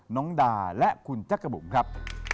น้องดาและคุณจักรบุ๋มครับ